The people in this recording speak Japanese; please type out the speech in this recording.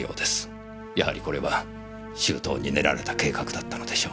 やはりこれは周到に練られた計画だったのでしょう。